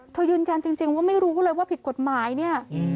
ยืนยันจริงว่าไม่รู้เลยว่าผิดกฎหมายเนี่ย